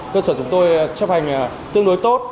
cơ sở chúng tôi chấp hành tương đối tốt